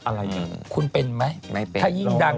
อะไรอย่างนั้นคุณเป็นไหมไม่เป็น